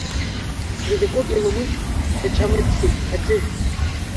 Зегьакоуп, илымуит, даҿамыӡсеит аӡыӷь.